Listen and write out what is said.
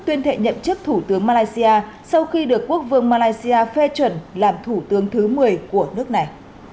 tuyên thệ nhậm chức thủ tướng malaysia sau khi được quốc vương malaysia phê chuẩn làm thủ tướng thứ một mươi của nước này